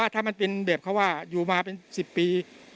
ถ้ามันเป็นแบบเขาว่าอยู่มาเป็น๑๐ปี